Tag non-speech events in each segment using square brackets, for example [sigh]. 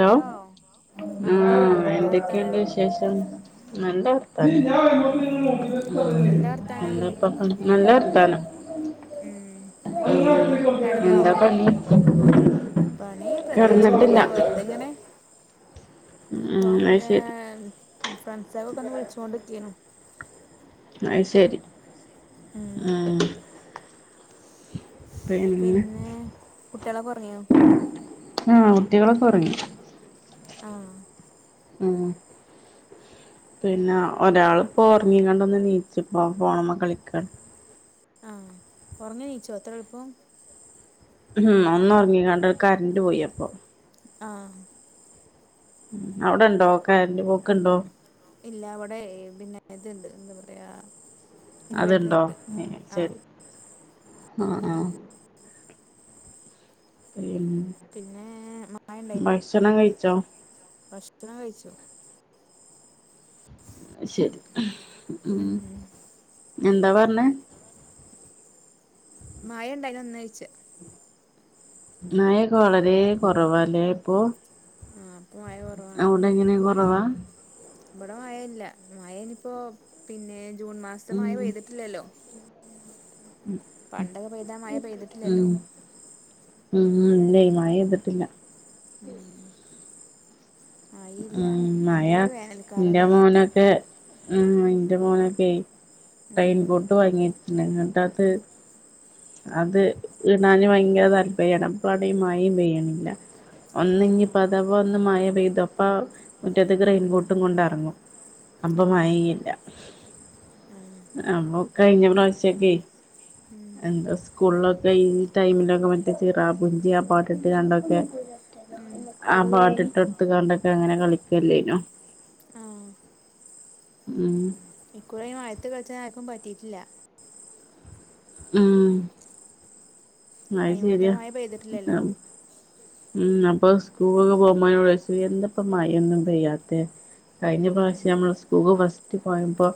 Hello ആഹ് ഉം. എന്താ എന്തൊക്കെയുണ്ട് വർത്താനം വിശേഷം? നല്ല വർത്താനം. എന്താ വർത്താനം എന്താപ്പ നല്ല വർത്താനം. ഉം കെടന്നോ എന്താ പണി പണി പ്രത്യേകിച്ചൊന്നുമില്ല. കിടന്നിട്ടില്ല വെറുതെ ഇങ്ങനെ ഇപ്പോ ഉം അത് ഇവിടെ ശരി ഫ്രണ്ട്സൊക്കെ ഒന്ന് വിളിച്ചോണ്ടിനിക്കയാണ്. അത് ശരി ഉം ആ. പിന്നെ കുട്ടികളെക്കെ ഉറങ്ങിയോ? ആ കുട്ടികളൊക്കെ ഉറങ്ങി. ആ ഉം. പിന്നെ ഒരാള് ഇപ്പോ ഉറങ്ങികൊണ്ടെന്ന് നീച്ചപ്പ ഫോൺ മേൽ കളിക്ക. ആ ഒറങ്ങി എനീച്ചോ ഇത്ര എളുപ്പം ഉം. ഒന്ന് ഒറങ്ങിക്കാണ്ട കരന്റ് പോയി അപ്പൊ. ആ ഉം. അവിടുണ്ടോ കാറന്റ്പോക്ക് ഉണ്ടോ? ഇല്ല. ഇവിടെ പിന്നെ ഇതുണ്ട് എന്താ പറയാ ഇൻവേർട്ടർ അതുണ്ടോ ഉണ്ട് ആഹ് ശരി ആ ആ പിന്നെ മാഴ ഉണ്ടായിനോ? ഭക്ഷണം കഴിച്ചോ ഭക്ഷണം കഴിച്ചു. ശരി. ഉം. എന്താ പറഞ്ഞേ? മാഴഉണ്ടായിനോ ഇനോച്ച മഴയൊക്കെ വളരെ കുറവാല്ലേ ഇപ്പൊ ആ ഇപ്പ മഴ കുറവാണ്. ആ ഇവിടെ മഴയില്ല മഴ ഇനിപ്പോ പിന്നെ ജൂൺ മാസത്തെ ഉം മഴ പെയ്തിട്ടില്ലല്ലോ പണ്ടക്കൊ പെയ്താ മയ ഉം പെയ്തിട്ടില്ലല്ലോ ഉം ഇല്ല മഴ പെയ്തിട്ടില്ല ഉം മഴയില്ല ഉ മയ നല്ല എന്റെ വേനൽക്കാലല്ലേ മോനൊക്കെ ഉം എന്റെ മോനൊക്കെ ഉം റയിൻ ബോർട്ട് വാങ്ങിട്ടങ്ങിട്ടാത് അത് ഇടാന് ഭയങ്കര താല്പര്യമാണ് അപ്പം ആണെങ്കി മയയും പെയ്യണില്ല ആ ഒന്നിഞ്ഞി അഥവാ. ഒന്ന് മയ പെയ്തപ്പം മുറ്റത്തത്തേക്ക് റെയിൻ ബോട്ടും കൊണ്ടിറങ്ങും ആ അപ്പം മയ ഇല്ല ആ നമ്മ കഴിഞ്ഞ പ്രാവശ്യക്കെ ഉം എന്താ സ്കൂളിലൊക്കെ ഈ ടൈമിലൊക്കെ മറ്റേ ചിറാ പുഞ്ചി പാട്ടിട്ട് കണ്ടൊക്കെ ഉം ആ പാട്ടിട്ടൊടുത്ത് കണ്ടൊക്കെ അങ്ങനെ കളിക്കല്ലേനോ ആ ഉം ഇക്കുറിയും മഴത്ത് കളിച്ച ആർക്കും പറ്റിയിട്ടില്ല ഉം അത് അതിന് ശരിയാ മാത്രം മഴ പെയ്തിട്ടില്ലല്ലോ ആ ഉം അപ്പൊ സ്കൂളൊക്കെ പോകുമ്പോ എന്തപ്പ മായൊന്നും പയ്യാത്ത കഴിഞ്ഞ ഉം പ്രാവശ്യം നമ്മള് സ്കൂള് ഫസ്റ്റ് പോയപ്പോ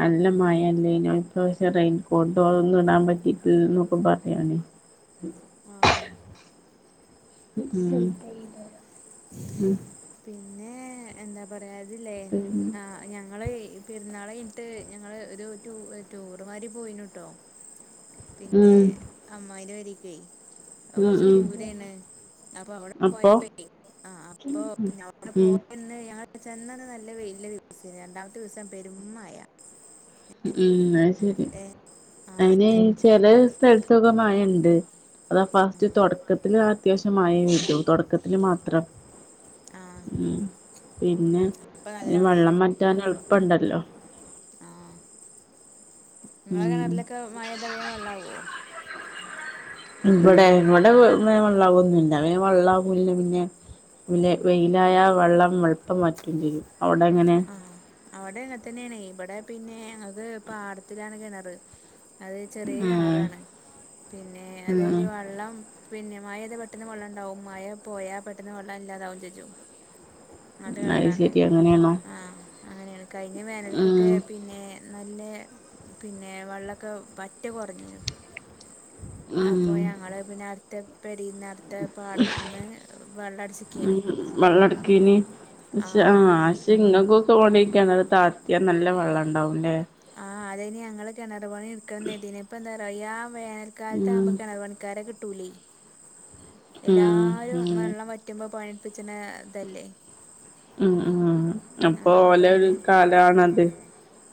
നല്ല മയ ആയിന്ന് പ്രാവശ്യം റെയിൻകോട്ടൊന്നും ഇടാൻ പറ്റിയിട്ടില്ല എന്നൊക്കെ പറയണേ ഉം ആ [unintelligible] ഉ ഉം പിന്നെ എന്താ പറയാതില്ലേ ഉം ആ ഞങ്ങള് ഈ പെരുന്നാൾ കഴിഞ്ഞിട്ട് ഞങ്ങള് ഒരു ടൂറ് മാരി പോയിനട്ടോ പിന്നെ അമ്ന്റെ പേരക്കയി [unintelligible] അ ഉം ഉം കൊറച്ച് ഉം ദൂരണ് അപ്പൊ അവിടെ അപ്പൊ പോയപ്പോ ആ അപ്പൊ പിന്നെ അവിടെ ഉം പോയന്ന് ഞ ചെന്ന നല്ലവെയിൽ ദിവസം രണ്ടാമത്തെ ദിവസം പെരും മയ ഉ ഉം അ ശരി ആ അതിന് അത് പിന്നെ ചെല സ്ഥലത്തൊക്കെ മയയുണ്ട് അതാ ആ ഫസ്റ്റ് തുടക്കത്തില് അത്യാവശ്യ മയ കിട്ടും തുടക്കത്തില് മാത്രം ആ ഉ പിന്നെ ഇപ്പൊ നല്ല അന് വെള്ളം മഴേനു മാറ്റാൻ എളുപ്പുണ്ടല്ലോ ആ നിങ്ങളെ ഉം കിണറിലൊക്കെ മഴ വന്ന വെള്ളമാകുമോ ഇവിടെ ഇവിടെ വെള്ളാവു ഒന്നുമില്ല വെള്ളാവില്ല പിന്നെ വെയിലായ വെള്ളം എളുപ്പം പറ്റും ചെയ്യും അവിടെ എങ്ങനെ ആ അവിടെ അങ്ങെത്തന്നെയാണ് ഇവിടെ പിന്നെ ഞക്ക് ഇപ്പൊ പാടത്തിലാണ് കിണറ് അത് ചെറിയ ആഹ് കിണറാണ് പിന്നെ ഉം അതരു വെള്ളം പിന്നെ മയ പെയ്താ പെട്ടെന്ന് വെള്ളം ഉണ്ടാവും മയ പോയാ പെട്ടെന്ന് വെള്ളയ ഇല്ലാതാവും ചേച്ചു അത് കളറാണ് ശരി അങ്ങനെയാണോ ആ അങ്ങനെയാണ് കഴിഞ്ഞ വേനലക്കൊക്കെ ഉം പിന്നെ ന അല്ലെ പിന്നെ വെള്ളമൊക്കെ പറ്റെ കുറഞ്ഞു ഉം അപ്പൊ ഞങ്ങള് പിന്നെ അടുത്ത നടത്ത പാടത്തിന്ന് വെള്ളടിച്ചിക്കീനു പിന്ന ആ പക്ഷെ ഇങ്ങൾക്കൊക്കെ ഓണ്ടിരിക്കണടു തത്തിയാ നല്ല വെള്ളം ഉണ്ടാവു ഇല്ലേ [unintelligible] ആ അതന് ഞങ്ങള് കിണറ് പണി എടുക്കുന്ന ഇപ്പൊ എന്താ പറ വേനൽ ഉം കാലത്താകുമ്പോ കിണർ പണിക്കാരെ കിട്ടൂലേ ഉം എല്ലാരും അങ്ങനെ വെള്ളം വറ്റുമ്പോ പണിപ്പിച്ചണ ഇതല്ലേ ഉ ഉ അപ്പൊ ആഹ് ഓലെരു പിന്നെ കാലണത്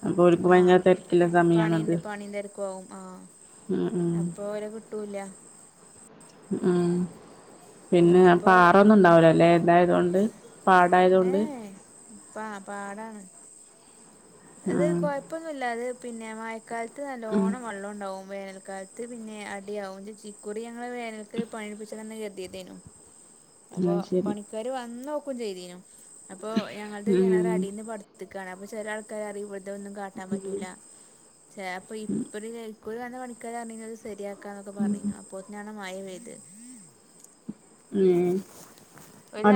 അപ്പൊ അവക്ക് ആഹ് ഭയങ്കര തിരക്കില്ല സമയണത് പണിണ്ട് പണിയും തിരക്കും ആവും ആഹ് അപ്പൊ ഓരോ കിട്ടൂല്ല ഉം പിന്നെ പിന്നെപ്പോ പാറൊന്നും ഉണ്ടാവലോ അല്ലെ എന്തായതുകൊണ്ട് പാടായതു കൊണ്ട് പ്പാ പാടാണ് അത് ആഹ് കൊഴപ്പൊന്നുല്ല അത് പിന്നെ മായ ക്കാലത്ത് ഉം നല്ലോണ്ണം വെള്ളം ഉണ്ടാകും വേന ക്കാലത്ത് പിന്നെ അടിയാവും ചിക്കുറി ഞങ്ങളെ വേനക്ക് പണിടിപ്പിച്ചന്ന് കരുതിയതേനു അപ്പൊ അത് ശരി പണിക്കാര് വന്ന് നോക്കും ചെയ്തേനും അപ്പൊ ഞങ്ങളുടെ ഉം കിണറടിന്ന് പടുത്തു കിണരുമ്മേ ചില ആൾക്കാര് ഇറങ്ങി വെറുതെ ഒന്നും കാട്ടാൻ പറ്റൂല്ല ചിലപ്പോ ഇപ്പഴു കുക്കൂർ വന്ന പണിക്കാരാണെങ്കിൽ ശരിയാക്കാ എന്നൊക്കെ പറഞ്ഞിരുന്നു അപ്പൊ തന്നെയാണ് മഴപെയ്തു ഉം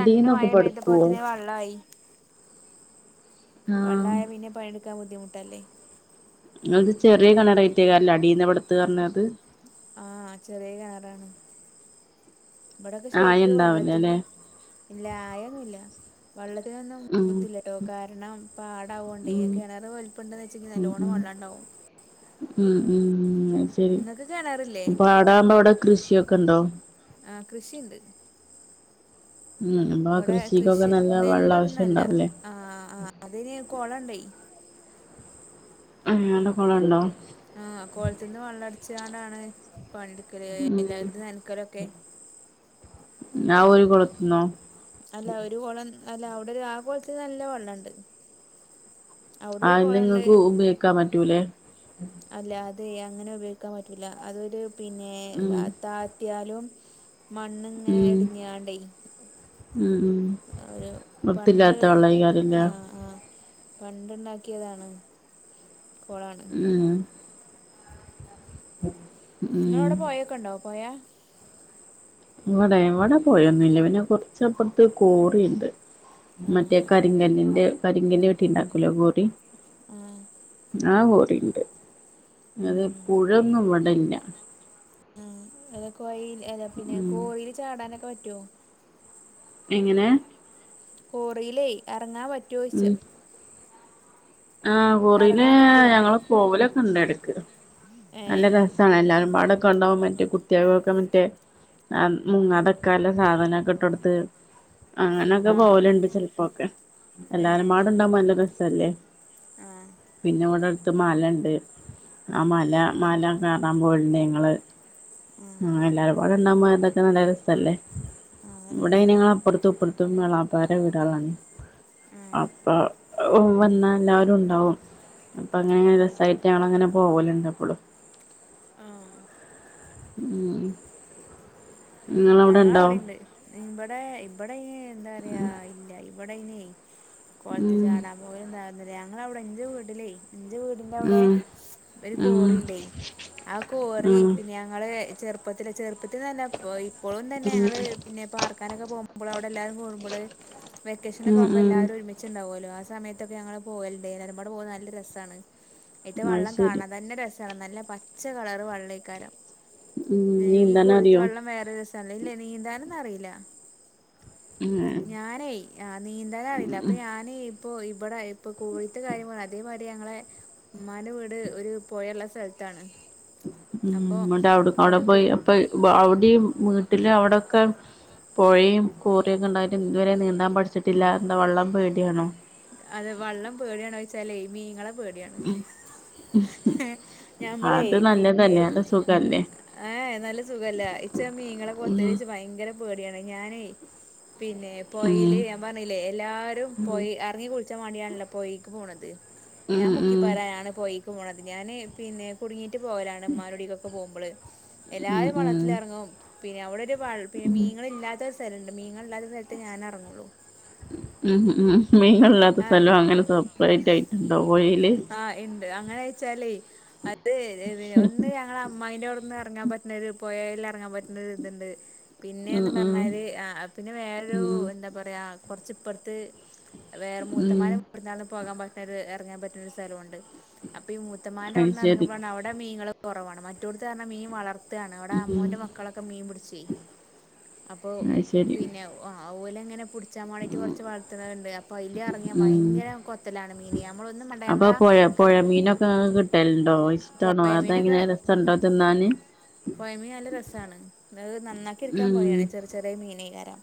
രണ്ട് മഴ പടുക്കുവോ പെയ്തപ്പോത്തിന് വള്ളായി ആഹ് വള്ളായ പിന്നെ പണിയെടുക്കാന് ബുദ്ധിമുട്ടല്ലേ അത് ചെറിയ കിണറയറ്റേക്കാറല്ല അടിയന്നവിടത്ത് കേറുന്നത് ആ ചെറിയ കിണറാണ് ഇവിടൊക്കെ ആയം ശരിക്ക് ഉണ്ടാവില്ല വെള്ളത്തിന് അല്ലേ ഇല്ല ആയൊന്നുമില്ല വെള്ളത്തിനൊന്നും ഉം ബുദ്ധിമുട്ടില്ല കാരണം പാടാവുകൊണ്ട് ഈ ഉം കിണർ വലിപ്പംണ്ടന്ന് വെച്ചെ ഉം നല്ലോണ് വെള്ളം ഉണ്ടാവു ണ്ടാവും ഉം [unintelligible] ഉം ഉം അ ശരി നിങ്ങൾക്ക് കിണറില്ലേ ഇപ്പ പാടാവുമ്പോ അവിടെ കൃഷിയൊക്കെ ഇണ്ടോ ആ കൃഷി ഇണ്ട് ഉം അപ്പൊ ആ ഇവടെ കൃഷിക്കൊക്കെ കൃഷി നല്ല വെള്ള ആവശ്യം നെല്ലൊന്നുനല്ല ഉണ്ടാവൂലേ ആ അതിന് കൊളണ്ടെ ഉം [unintelligible] കുളണ്ടോ ആ കൊളത്ന്ന് വള്ളം അട്ച്ച് കാണ്ടാണ് പണിട്ക്കല് ഉം എല്ലാരും നൻക്കലൊക്കെ ന്നാ ഒരു കൊളത്തുന്നോ അല്ല ഒരു കുളം അല്ല അവ്ടെ ഒരു ആ കോളത്ത് നല്ല വള്ളംണ്ട് ആ നിങ്ങക്ക് ഉപയോഗിക്കാൻ പറ്റൂലേ അല്ല അതെ അങ്ങനെ ഉപയോഗിക്കാൻ പറ്റൂല അതൊരു പിന്നെ ഉം [unintelligible] ലും മണ്ണിങ്ങനെ ഉം ഇട്ഞ്ങ്ങാണ്ടേ ഉം ഉം ഒരു പണ്ട് വൃത്തില്ലാത്ത വെള്ളായിക്കാരല്ലേ ആ ആ പണ്ട്ണ്ടാക്കിയതാണ് കൊളാണ് ഉ നിങ്ങളവ്ടെ പോയൊക്കെണ്ടോ പോഴ ഇവടെ ഇവടെ പോയൊന്നുംല്ല പിന്നെ കോർച്ചപോർത്ത് കോറിണ്ട് മറ്റേ ആഹ് കരിങ്കല്ലിന്റെ കരിങ്കല്ല് വേട്ടിണ്ടാക്കൂലോ കോറി ആ ആ കോറിണ്ട് ല്ലാതെ ഉം പുഴന്നും വടല്ല ആ കൊയ പിന്നെ ഉം കോറില് ചാടാനൊക്കെ പറ്റൊ എങ്ങനെ കോറില് എറങ്ങാൻ പറ്റൊച്ചാ ആ കോറില് പറ്റുവോന്ന് ഞങ്ങള് പോവലൊക്കെ ഇണ്ട് എടക്ക് നല്ല ഏഹ് രസാണ് എല്ലാരും മടൊക്കെ ണ്ടാവും മറ്റേ കുട്ട്യാക്കൊക്കെ മറ്റേ ആ മുങ്ങാതക്കാള്ളെ സാധനൊക്കെ ഇട്ട് കൊടുത് അങ്ങനൊക്കെ ആഹ് പോല്ണ്ട് ചെലപ്പോക്കെ ഏഹ് എല്ലാരുംമാട്ണ്ടാവുമ്പം നല്ല രസല്ലേ ആഹ് പിന്നെ ഇവിടെ അടുത്ത് മലണ്ട് ആ മല ആഹ് മല കാണാൻ പോല്ണ്ട് ഞങ്ങള് ആഹ് അങ്ങനെ എല്ലാര അവിടെ ഉണ്ണാൻ പോയലോക്കെ നല്ല രസല്ലേ ആഹ് നല്ല ഇവിടെ രസാണ് ഞങ്ങളെ അപ്പോർത്തും ഇപ്പോർത്തും എളപ്പ പാര വീടാളാണ് ആഹ് അപ്പ വന്നാ എല്ലാരും ഉണ്ടാവും അപ്പ അങ്ങനെങ്ങനെ ആഹ് രസായ്ട്ട് ഞങ്ങള്ങ്ങനെ പോവല്ണ്ട് അപ്പളും ആ ഹ് ഹ് ഞങ്ങള് അവ്ടീണ്ട് ഇബടെ ഇബടെ എന്താറയാ ഇല്ല ഇബടെ അയ്ന് കോൾത്ത് ഉം ചാടാൻ പോകലും താകലും ഞങ്ങളവ്ടെ ഇന്റെ വീട്ട്ല്ലേ ഇന്റെ വീട്ന്റെ അവ്ടെ ഉം ഒരു ഉം കോറിണ്ടേ ആ കോറി ഉം പിന്നെ ഞങ്ങള് ചെറുപ്പത്തില് ചെറുപ്പത്തിൽന്ന് പർഞാ ഇ ഇപ്പളും തന്നെ ഉം ഞങ്ങള് പിന്നെ പാർക്കാനൊക്കെ പോകുമ്പോ അവ് എല്ലാരും കൂട്മ്പള് വെക്കേഷനോക്കെ ഉം ആകുമ്പം ഉം എല്ലാരും ഒരുമിച്ച് ണ്ടാവോല്ലോ ആ സമയത്തൊക്കെ ഞങ്ങള് പോവല്ണ്ടായിനി എല്ലാരും പാടെ പോവുമ്പോ നല്ല രസാണ് ന്നട്ട് അത് വള്ളം ശരി കാണാ തന്നെ രസ നല്ല പച്ച കളറ് വള്ളേക്കാരം ഉം ഈ നീന്താൻ കോറീത്ത അറിയോ വള്ളം വേറെ സ് അല്ലേല് നീന്താനൊന്നും അറീല ഉം ഉം ഞാനേ ആ നീന്താന് അറീല അപ്പ ഞാന് ഇപ്പൊ ഇവടെ ഇപ്പൊ കോറീത്തെ കാര്യം പറഞ് അതേമാതിരി ഞങ്ങളെ ഉമ്മാന്റെ വീട് ഒരു പോയള്ള സ്ഥലത്താണ് ഉം അപ്പോ ഇന്നട്ട് അവിടെ അവ്ടെ അവിടക്ക് പോയി അപ്പ അവ്ടിം ലേ അവ്ടെക്കെ പുഴയും കോറിയൊക്കെ ഇണ്ടായിട്ട് ഇതുവരെ നീന്താൻ പഠിച്ചിട്ടില്ല എന്താ വള്ളം പേടിയണോ അതെ വള്ളം പേടിയാണോച്ചാലേ മീങ്ങളെ പേടിയാണ് ഞമ്മളെ അത് പിന്നെ നല്ലതല്ലേ നല്ല സുഖല്ലേ ഏഹേ നല്ല സുഖല്ല ഇച്ച് മീങ്ങളെ കൊത്തല് ഉം ഇച്ച് ഭയങ്കര പേടിയാണ് ഞാനേ പിന്നെ പോഴില് ഉം ഞാൻ പറഞ്ഞില്ലേ എല്ലാരും ഉം പോയി അറങ്ങി ഉച്ച വണ്ടിയാണല്ലോ പോയിക്ക് പോണത് ഉം ഞാൻ മുക്കി ഉം പറരാനാണ് പോയി ഒ പോണത് ഞാൻ പിന്നെ കുടുങ്ങിയി് പോലാണ് മനോടിക്കൊക്കെ പോകുമ്പോൾ ഉം എല്ലാരും ഉം വളത്തില ഇറങ്ങും പിന്നെ അവിടെ ഒരു പിന്നെ ഉം മീങ്ങ ഇല്ലാത്ത സ്ഥലംു മീങ്ങ ഇല്ലാത്ത സ്ഥലത്ത് ഞാന ഇറങ്ങോളൂ ഉ ഉ മീനല്ലാത്ത ആഹ് സ്ഥലവും അങ്ങനെ സെപ്പറേറ്റ് ആയിട്ടുണ്ടോ കോഴയില് ആഹ് ഉണ്ട് അങ്ങനെ വെച്ചാലേ അത് ഒന്ന് ഞങ്ങള അമ്മായിന്റെ ഇന്ന് ഇറങ്ങാൻ പറ്റ പോയതിൽ ഇറങ്ങാൻ പറ്റുന്ന ഇതുണ്ട് ഉം പിന്നെന്ന് ഉം പറഞ്ഞാല് ആ പിന്നെ വേറെൊ ഉം എന്താ പറയാ കൊറച്ച് ഇപ്പറത്തെ വേറെ ഉം മൂത്തന്മാരെ ഇവിുന്നന്ന് പോകാൻ പറ്റുന്ന ഒരു ഇറങ്ങാൻ പറ്റുന്ന ഒരു സ്ഥലമുണ്ട് അ മുത്തമാന്റെ അത് അവിടുന്ന് ശരി ഇറങ്ങുമ്പോഴാണ് അവിടെ മീങ്ങൾ കുറവാണ് മറ്റോടുുരഞ്ഞ മീൻ വളർ മത്തയാണ് അവിടെ ഉം അമ്മോന്റെ മക്കളൊക്കെ മീൻ പിടിച്ച അപ്പൊ അത് ശരി പിന്നെ ആ ആോലെങ്ങെ അച്ചാ വണീട്ട് കുറച്ച് വളർത്തുന്നത്തുണ്ട് അപ്പോൾ അതില ഇറങ്ങിയ ഉം ഭയങ്കര കൊത്തലാണ് മീൻ നമ്മളൊന്നും അപ്പൊ നമ്മളാ പുഴ ക പുഴ മീനൊക്കെ കിട്ടലണ്ടോ ഇഷ്ടമാണോ പൊയ അതെങ്ങനെ രസംുണ്ടോ തിന്നാാന് പയമീ നല്ല രസമാണ് നന്നാക്കി ഇടുക്കാൻ ഉം പോണിയാണ് ചെറിയ ചെറിയ മീനകാരം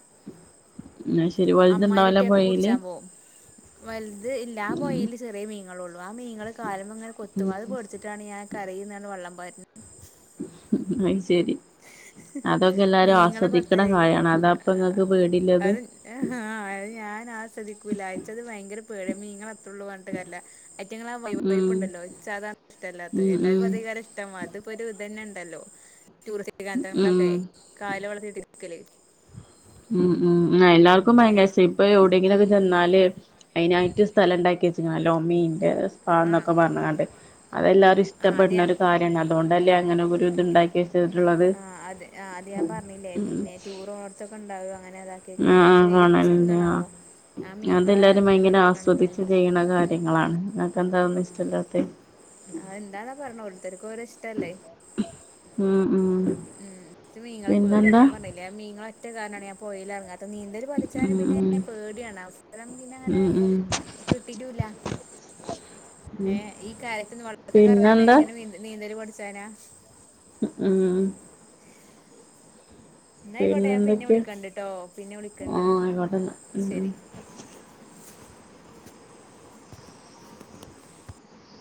ആ ശരി പോലന്ന ഇണ്ടാവല പോഴല് പോവും വലുത് ഇല്ലാ പോയൽ ചെറിയ മീങ്ങള ഉള്ളൂ ആ മീങ്ങള്ൾ കാലം അങ്ങനെ ഉം കൊത്തുമാതി പൊടിച്ചിട്ടാണ് ഞാൻ കറിന്നാണ് വള്ളംപറ്റന് അയ് ശരി അ അതൊക്കെ എല്ലാരും ആസ്വദിക്കണ കഴയാണ് അതാ അപ്പ ഇങ്ങക്ക് പേടില്ലത് ഞാൻ ആക്കലാച്ച അത് ഭയങ്കര പേഴ മീങ്ങ ല്ലറ്റ ഉം വപ്പുണ്ടല്ലോ സാധാരണ ഇഷ്ടമല്ലാ ഉം എല്ലർും ഉം അധികാരംഷ്ട അത് ഇപ്പൊ ഒരു ഇത്ന്നെ ഉണ്ടല്ലോ ൂ ഉം ഗാന്തങ്ങളിലൊക്കെ കല് വളർത്തിട്ടരിക്കല് ഉം ഉം എല്ലാർക്കും ഭയങ്കരം ഇപ്പൊ എവിടെയെങ്കിലൊക്കെ എന്നല് അതിനായിട്ട് സ്ഥലം ഉണ്ടാക്കി വെച്ചോമയും ്പ ആഹ് എന്നൊക്കെ പറഞ്ഞതണ്ട് അതെല്ലാവരും ആഹ് അത് ഞാൻ ഇഷ്ടപ്പെടുന്നൊരു കാര്യമാണ് അതുകൊണ്ട്ല്ലെ അങ്ങനെ ഒരു ഇതുണ്ടാക്കി ആഹ് അത് ആ് അത് ഞാൻ പറഞ്ഞില്ലേ ഉം പിന്നെ ടൂറ ഓർത്തൊക്കെ ഉണ്ടാവുക അങ്ങനെ അതാക്കിയൊക്കല്ലേ ആഹ് പക്ഷേ േച്ച കാണല്ണ്ട് ആഹ് എന്തണാവോ അതെല്ലാരും ഭയങ്കര ആസ്വദിു പേടിയാ ചെയ്യണ കാര്യങ്ങളാണ് നിനക്ക എന്താന്നും ഇഷ്ടല്ലാത്ത ആഹ എന്താന്നാ പറഞ്ഞ ടുത്തർക്ക് ഓര ഇഷ്ടല്ലേ ഉം ഉം ഉം് മ മീങ്ങളെ പേടാണ് പിന്നെന്താ ഞാൻ പറഞ്ഞില്ലേ മീങ്ങളെ ഒറ്റ കാരനണ ഞാൻ പോയില ഇറങ്ങാ താ നീന്തല് ഉം പഠിച്ചാലും പിന്നെ ഉം പേടിയാണ് അറം പിന്നെ അങ്ങനെ ഉം ഉം കിട്ടിട്ടുല്ല ഏ ഈ കാലത്ത് വളർ കറങ്ങാതെ പിന്നെന്താ എങ്ങനെ നീന്ത് നീന്തല് പടിച്ചനാ ഉം എന്നയിക്കോട്ടെ ഞാൻ പിന്നെ പിന്നെന്തൊക്കെയാ വിളിക്കണ്ടട്ടോ പിന്നെ ആ വിളിക്കണ്ട് ആയിക്കോട്ടെന്നാ ഉം ഉം ശെരി [unintelligible]